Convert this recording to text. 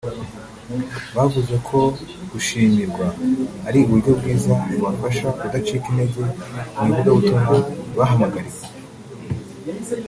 bavuze ko gushimirwa ari uburyo bwiza bubafasha kudacika intege mu ivugabutumwa bahamagariwe